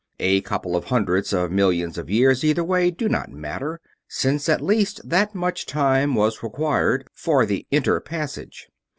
A couple of hundreds of millions of years either way do not matter, since at least that much time was required for the inter passage.